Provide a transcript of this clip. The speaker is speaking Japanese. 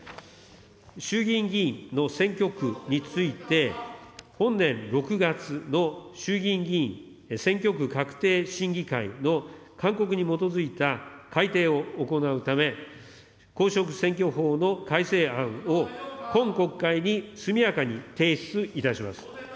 衆議院議員の選挙区について、本年６月の衆議院議員選挙区画定審議会の勧告に基づいた改定を行うため、公職選挙法の改正案を、今国会に速やかに提出いたします。